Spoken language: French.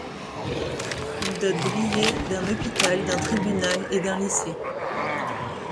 Il dote Briey d'un hôpital, d'un tribunal et d'un lycée.